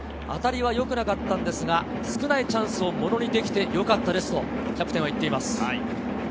当たりは良くなかったんですけど少ないチャンスをものにできてよかったですとキャプテンは話しています。